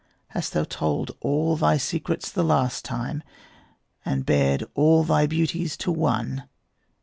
Hast thou told all thy secrets the last time, And bared all thy beauties to one?